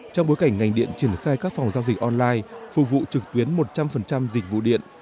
trong bối cảnh ngành điện triển khai các phòng giao dịch online phục vụ trực tuyến một trăm linh dịch vụ điện